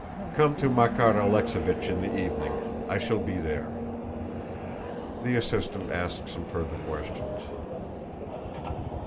"Come to Makár Alexéevich in the evening. I shall be there." The assistant asked some further questions.